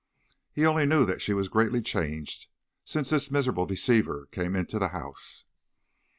He only knew that she was greatly changed since this miserable deceiver came into the house.